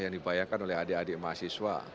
yang dibayarkan oleh adik adik mahasiswa